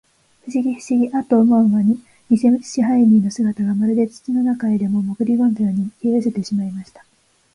ふしぎ、ふしぎ、アッと思うまに、にせ支配人の姿が、まるで土の中へでも、もぐりこんだように、消えうせてしまいました。